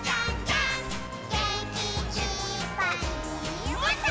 「げんきいっぱいもっと」